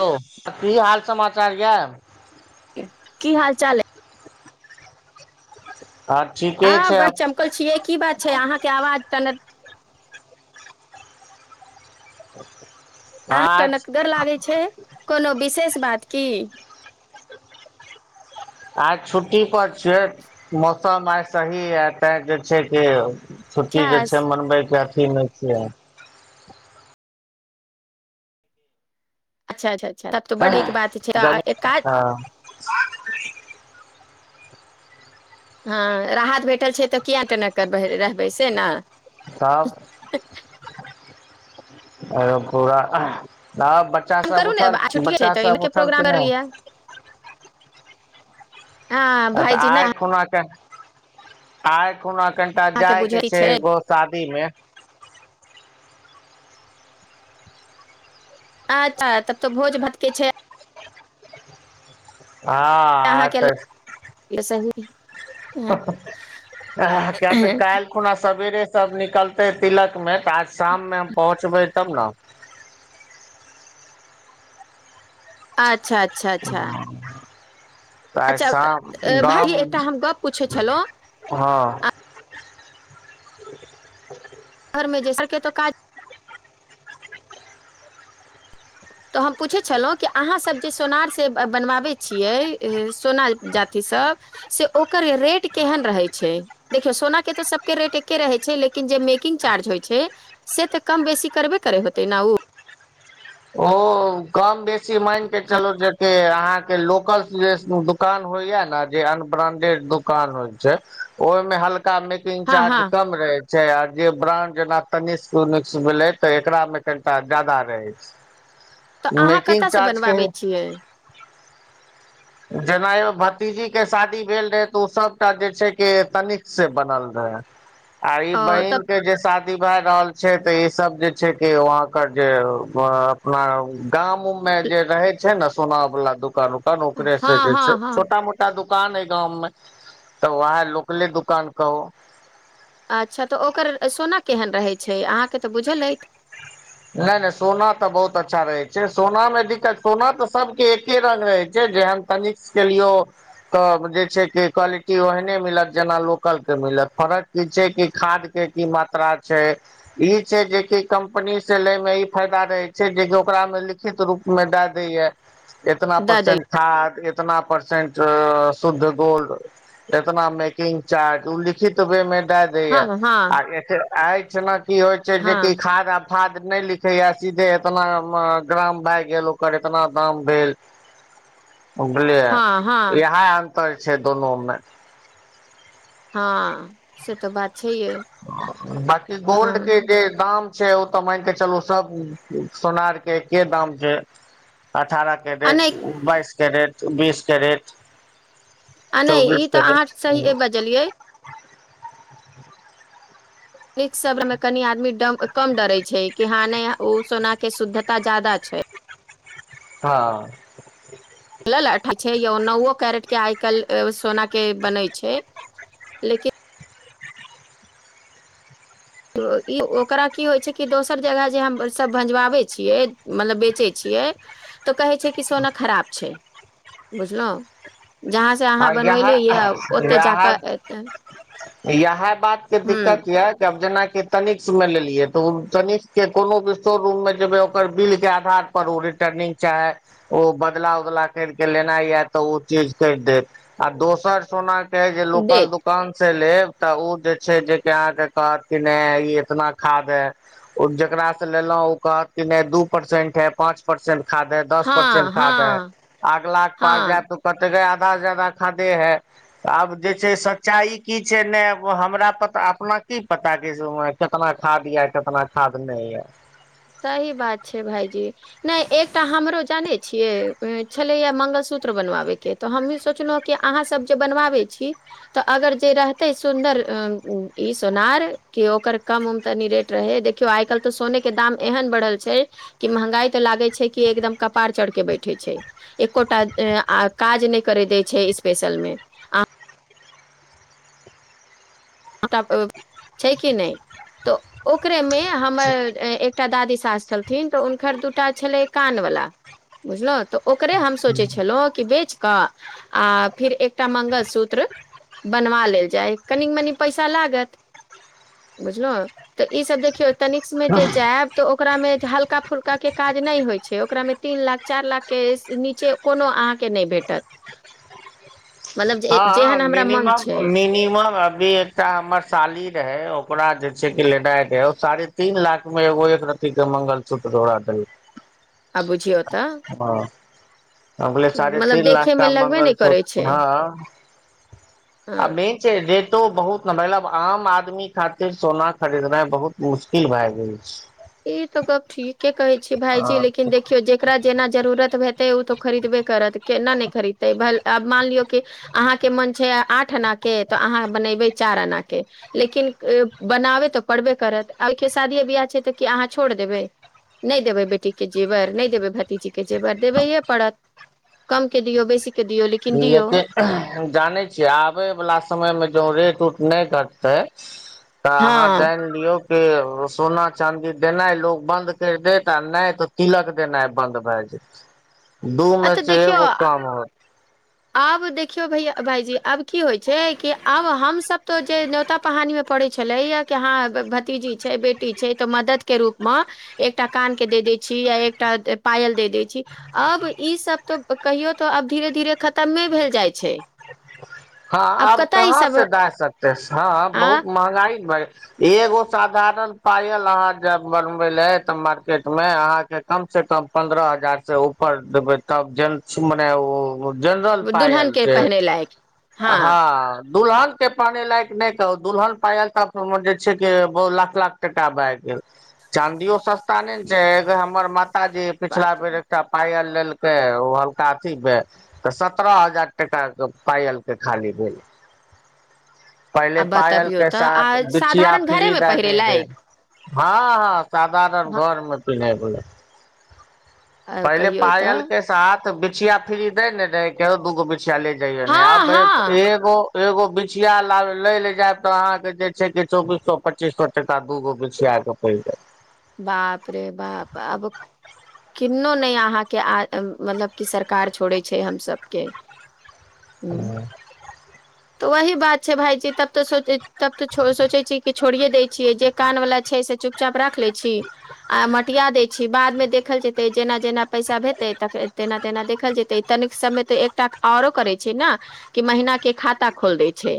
तो की हाल समाचार यऽ की हाल चाल है। हँ ठीके हँ, छै बड् चमकल छियै की बात छै अहाँ के आवाज तन [unintelligible] आह आज टनकगर लागै छै, कोनो विशेष बात की आज छुट्टी पर छै, मौसम आज सही ह ते जे छै कैय छुट्टी अच्छा ज छै मनबै्य कर टी में छीय। अच्छा अच्छा। त तऽ बड़ बात छै, त गर्मी एक काज हँ हँ, राहत भेटल छै तऽ किया टनकक्कर रहबै से न। तब एकदम पूरा अह तब बच्चा काम सब करू ने उठल, आ छुट्टी छै बच्चा तऽ सब इम्हरके उठल प्रोग्राम के कर नहि। लिअ हँ तऽ भाईजी आइ नहि खुना क आइ कोना कनटा अहाँके जाय के बुझै छै एगो शादी मे। अच्छा, तब तऽ भोज भतके छै। हँ आ अहाँके त ल- [unintelligible] क्या तऽ काल् खुना सवेरे सब निकलते ह तिलक में आज शाम मे हम पहुँचबे तब न अच्छा अच्छ [unintelligible] त आज अच्छा साम बाम भाईजी एकटा हम गप पूछै छलहुँ हँ [unintelligible] शहरमे ज सके तऽ काज तऽ हम पूछै छलहुँ कि अहाँ सभ जे सोनार सँ बनबाबै छियै सोना जाति सभ से ओकर रेट केहन रहै छै, देखियौ सोना के तऽ सभ के रेट एके रहै छै, लेकिन जे मेकिंग चार्ज होइत छै से तऽ कम बेसी करबे करै होतै न ऊ। ओ कम बेसी सी मान के चलू जे अहाँ लोकल जे दुकान होइया न, जे अनब्रां्डेड दुकान होइ छै ओहिमे हल्का ा मेकिंग हँ हँ चार्ज कम रहै छै आ जे ब्रां्ड जेना तनिष यूनिक्स भेलै तऽ एकरा मे कनिटा जादा रहै छै। तऽ अहाँ मेकिंग कता सँ चार्ज के बनवाबै छियै। जेना एो भतीजी के शादी भेल रहै तऽ ओ सभटा जे छै कि तनिकसँ बनल रहए। आर ई ओ बहिन तब के जे सा भए रहल छै तऽ ई सब जे छै कि वहाँ के जे अपना गाम उम मे जे रहय छै न सुोनार वाला दूकान उकान ओकर से हँ भेल हँ छै, हँ छोटा मोटा दु दकान हइ गाम मे तऽ उएह लोकले दुकान कहु। अच्छा तऽ ओकर सोना केहन रहै छै अहाँके तऽ बुझल अछि। नहि नहि सोना तऽ बहुत अच्छा रहैत छै सोना मे दिक्कत सोना तऽ सभके एके रङ्ग रहैत छै, जेहन तनिक के लियौ तऽ जे छै कि क्वालिटी ओहने मिलत जेना लोकल के मिलत, फर्क की छै कि खादके की मात्रा छै ई छै जेकि कम्पनी से ले मे ई फायदा रहै छै जेकि ओकरा मे लिखित रूप मे दए दैय केतना दऽ दै परसेंट खाद इतना परसेंट शुद्ध गोल्ड, इतना मेकिंग चार्ज ओ लिखित वे मे द दैय हँ हँ आखी ज आइ छल न की होइ छै जेकि हँ खाद आब खाद नहि लिखैए, सीधे एतना ग्राम भए गेल ओकर एतना दाम भेल। हँ बझलियै हँ इहाँ छै दोनो मे हँ, से तऽ बात छैहे बकी हँ गोल्ड के जे दाम छै ओ तऽ मानिक चलू सब सोनार के एके दाम छै। अठारह आ कैरेट, नहि बाइस कैरेट। बीस कैरेट। आ नहि चौबीस ई तऽ अहाँ कैरेट सही बजलियै। निक श्रमे कनि आदमी डम कम डरै छै कि हँ नहि ओ सोनाके शुद्धता जा्यदा छै। हँ। छैय नवो कैरेट के आइ काल्हि सोना के बनै छै लेकिन ई ओकरा की होइ छै कि दोसर जगह जे हमसभ भजवाबै छियै मतलब बेचै छियै तऽ कहै छै कि सोना खराब छै। बुझलो आ ओते यहह जाकऽ इएह बात के ह दिक्कत यऽब जेनाकि तनििकक मे लेलियै, त उ तनििकक के कोनो भी स्टोर रूम मे जेबे ओकर बिल के आधार पर ओ रिटर्निंग चाहे ओ बदला उदला कर के लेना य तऽ ओ चीज कर देत। आ दोसर सोना जे लोकल देत दुकान ल जे ई इतना खाद ह, जेकरा से लेल कहत दू परसेंट है पाच परसेंट खाद है, दस परसेंट हँ खाद है हँ अगला के पास जाय हँ त कते भ जा ा खादे है, आब जे छै सच्चाइ की छै नहि हमरा पता अपना की पता क कितना खाद या कितना खाद नहि यऽ सही बात छै भाायजी, नहि एकटा हमरो जानै छियै छलैया मंगलसूत्र बनवाबय के तऽ हमहीँ सोचलहुँ हँ कि अहाँ सभ जे बनबाबै छी तऽ अगर जे रहतै सुन्दर ई सोनार कि ओकर कम उम तनी रेट रहै देखियौ आइ काल्हि तऽ सोने के दाम एहन बढ़ल छै कि महँगाइ तऽ लागै छै कि एकदम कपार चढ़ि कऽ बैठै छै, एक्ोटा काज नहि करय दै छै स्पेशल मे आ छै कि नहि तऽ ओकरे मे हमर अ एक। एकटा दादी सास छलथिन तऽ हुनकर दूटा छलै कान वला बुझलहु। तऽ ओकरे हम सोचै छलहुँ कि बेच क। आ फिर एकटा मंगलसूत्र बनवा लेल जाय कनि मनी- पइसा लगत बुझलो, त ईसब देखियो - तनिक मे जे जायब तऽ ओकरामे हल्का फुल्का के काज नहि होइ छै ओकरामे- तीन लाख चार लाख के नीचे कोनो अहाँके नहि भेटत- मतलब जे हां जेहन हमरा मन मिनिमम छै मिनिमम - अभी एकटा हमर साली रहै, ओकरा जे छै कि लेनाइके ओ साढ़े तीन लाख मे एगो एक रथी के मंगलसूत्र दड़ा देलक- आ बुझियौ तऽ। अगले साढ़े मतलब तीन लाख देखे मे क लगबे नहि करै मङंगलसूत्र छै हँ। आ हँ मेन छै। रेटो बहुत न मतलब आम आदमी खातिर सोना खरीदनाइ बहुत मुश्किल भए गेल छै। ई तऽ गप ठीके कहै छी भायजी हँ लेकिन देखियौ जेकरा जेना जरूुरत भेल - त ओ तो खरीदबे करत। केना नहि खरीदत है भल- आब मान लियौ कि, अहाँके मन छै आठ आना के तऽ अहाँ बनेबै चार आना के, लेकिन बनाबे तऽ पड़बे करत आबियओ शादिये बियाह छै तऽ- की अहाँ छोड़ देबै, नहि देबै बेटी के जेवर नहि देबै भतीजी के जेवर देबैे पड़त कम के दियौ बेसी- के दियौ लेकिन दियौ लेकिन जानै छियै आबे वालला समय मे जो रेट उट। नई पडतै। तऽ हँ अहाँ जान लियौ। के सोना चाँदी देनाइ लोको बन्द करि देत आ नहि तऽ तिलक देनाइ बन्द भए जेयत। दू आ मे तऽ से एगो देखियौ काम होत। आब देखियौ भैया भाईजी आब की होइत छै कि आब हमसभ तऽ जे न्योता पहानीमे पड़ैत छलैया कि हँ भतीजी छै बेटी छै तऽ मदद के रूपमे एकटा कान के दे दै छी या एकटा पायल दे दै छी। अब। ई सब तो कहियो तो आब धीरे- धीरे खतमे भेल जाइ छै। हँ आब कतऽ ई कहाँ सब से दए सकते हँ आ बहुत महँंगाई बैढ। एगो साधारण पायल अहाँ जब बनवे ले तब मार्केट में अहाँ के कम से कम पं्रह हजार से ऊपर देबे तब जेंस मने ओ। ओ जनरल पाइ दुल्हन आयल के छै। पहिरे लायक हँ। दुलहन के पहने लायक नहि कहू दुलन पायल त जे छै बहु लाख लाख टका भए गेल चाँदियो सस्ता ने ने छै हमर म। जे पिछला बाप बेर रे एकटा पायल। हलका अथी मे त सत्रह हजार टका के पायल। त खाली भेल। पहिले आ पायल बतबियौ के तऽ आ साथ बिछिया साधारण घरे फ्री मे दए पहिरे दै रहै लायक हँ हँ साधारण घरमे पिन्हैे। पहिले कहियौ पायल तऽ के साथ बिछया। बिछिया फिरि देै ने दूगो। चे जाइय ने आ हँ भ हँ एगो। एगो बिछिआ ल लै लए जायब तऽ अहाँके जे छै चौबीस सए पच्चीस सए टका दूगो बिछिआके पड़ जायत। बाप रे बाप आब किन्नो नहि अहाँके मतलब कि सरकार छोड़ै छै हम सभके। हं। तऽ वही बात छै भायजी तब तऽ तब तऽ सोचै छी कि छोड़िये दै छियै जे कान वाला छै से चुपचाप राख ले छी आ मटिया दै छी बादमे देखल जेतै जेना- जेना पैसा भेतै त तेना -तेना देखल जेते तनिक समय तऽ एकटा आओरो करै छै ने कि महिना के ख। त खोल देै छै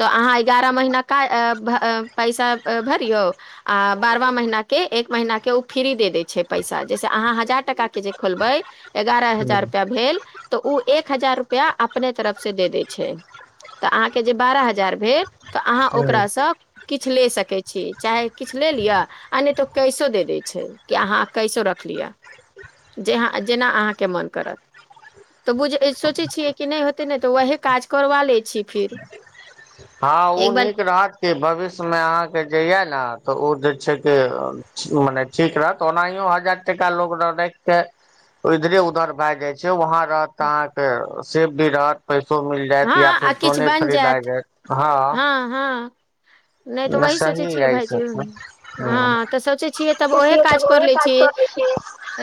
तऽ अहाँ एगारह महिना क पैसा भरियौ आ बारव महिना के एक महिना के ओ फ्री दे दै छै पैसा जैसे अहाँ हजार टका के जे खोलबै त। एगारह हजार रुपआ भेल तऽ ओ एक। हजार रुपआ अपने तरफ से दे दै छै। तऽ अहाँके जे बारह हजार भेल। तऽ अहाँ ओकरा सँ की। किछु ले सकै छी चाहे किछु ले लिअ आ नहि तऽ ओ कैसो देऽ दै छै कि अहाँ कैसो रख लिअ जेहाँ जेना अहाँके मोन करत। तऽ बुझ सोचै छियै कि नई हो। तै नै वहे काज करवा ल लै छीयै फिर हां ओ एक बार नीक रहत की भविष्यमे अहाँके जेहया न तऽ ओ जे छै जे मने ठीक रहत ओनेहियौ हजार टका लोग र राख के इधरे उधर भाए जाय छै वहां रहत त अहाँके सेफडीरहत पै सो मिल जायत या फेर सोने खरीदाए जायत। हँ हां हां नै तऽ नहि वही सोचै सही य छियै ई भायजी सब तऽ हां ह तऽ सोचै छियै तब ओहे ठीके सब काज कर ओहे ल छी करै छियै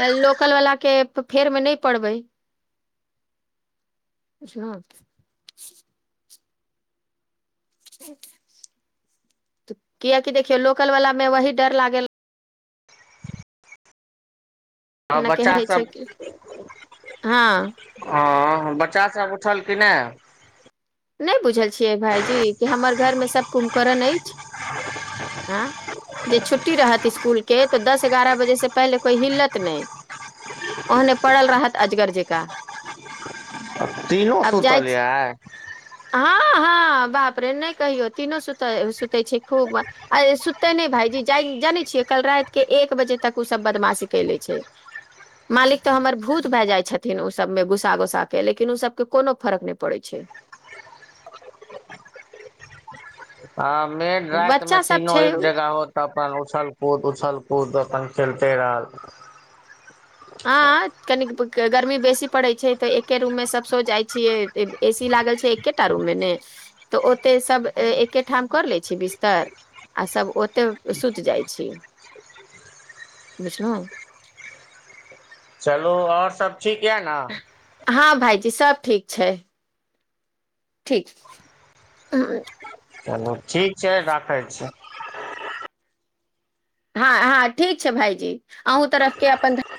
अ लोकल वाला के तऽ फेर मे नै पड़बै, ध्यान से। [inaudible] किया कि देखियौ लोकल वला में वही डर लागल हां ने बच्चा केहन होइ सब छै कि हँ हां बच्चा सब उठल की नै। नै बुझल छिये भायजी की हमर घर में सब कुंभकर्ण ए। हां जे छुट्टी रहत स्कूल के तऽ दस एगारा बजे से पहिले कोइ हिलत नै ओहने पड़ल रहत अजगर जका। तीनो सुतल यऽ आय। हां -हां बाप रे नै कहियो तीनो सुतए सुते छै। खूब ए सुत ते नै भायजी जाए जाने छियै कल रात के एक बजे तक ओ सब बदमाशी कैले छै मालिक तऽ हमर भूत भए जाइ छथिन ओ सबमे गोसा गोसा के लेकिन उ सबके कोनो फरक नै पड़ै छै। आ मे रातमे बच्चा सब तीनो छै एक जगह हो तब अपन उछल कूद उछल कूद अपन खेलते रहत हां कनिक पक ग गरमी बेसी पड़े छै तऽ एकै रूम मे सब सौ जाइ छियै ऐब ए सी लागल छै एकेटा रूममे नै तऽ ओेते सब एकेठाम कर लै छीयै बिस्तर आ सब ओते सुत जाए छीयै, बुझलो। चलू और सब ठीक यऽ नै। जी सब ठीक छै। ठीक हां। चलू ठीक छै, राखै छीयै। हां हां ठीक छै भायजी अहूँ तरफके अपन ध